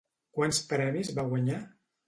Quants premis va guanyar?